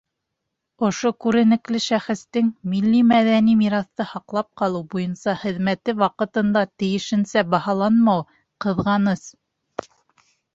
Ошо күренекле шәхестең милли-мәҙәни мираҫты һаҡлап ҡалыу буйынса хеҙмәте ваҡытында тейешенсә баһаланмауы ҡыҙғаныс.